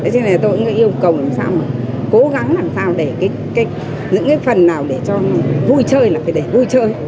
cho nên là tôi cũng yêu cầu làm sao mà cố gắng làm sao để những cái phần nào để cho vui chơi là phải để vui chơi